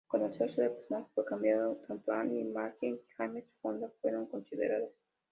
Cuando el sexo del personaje fue cambiado, tanto Ann-Margret y Jane Fonda fueron consideradas.